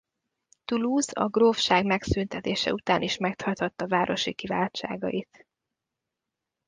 Toulouse a grófság megszüntetése után is megtarthatta városi kiváltságait.